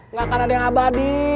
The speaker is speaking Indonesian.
nggak akan ada yang abadi